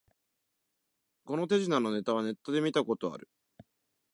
この手品のネタはネットで見たことある